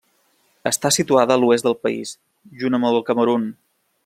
Està situada a l'oest del país, junt amb el Camerun.